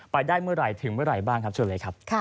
ไปได้เมื่อไหร่ถึงเมื่อไหร่บ้างครับเชิญเลยครับ